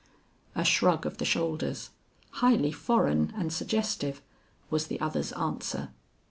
A shrug of the shoulders, highly foreign and suggestive, was the other's answer.